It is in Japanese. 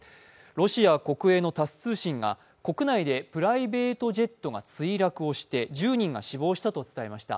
ロシア国営のタス通信が国内でプライベートジェットが墜落をして１０人が死亡したと伝えました。